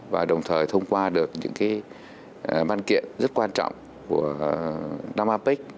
và đồng thời thông qua được những văn kiện rất quan trọng của nam apec